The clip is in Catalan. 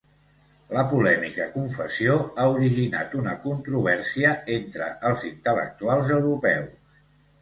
La polèmica confessió ha originat una controvèrsia entre els intel·lectuals europeus.